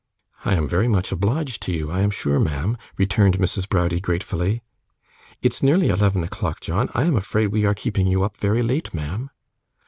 'I am very much obliged to you, I am sure, ma'am,' returned Mrs. Browdie, gratefully. 'It's nearly eleven o'clock, John. I am afraid we are keeping you up very late, ma'am.